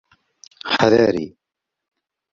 حذاري!